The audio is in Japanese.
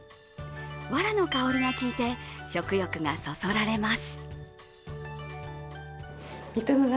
わらの香りがきいて食欲がそそられます。